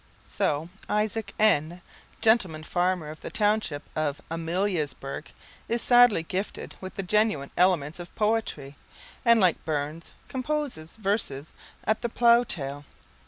So Isaac N , gentleman farmer of the township of Ameliasburgh, is sadly gifted with the genuine elements of poetry, and, like Burns, composes verses at the plough tail.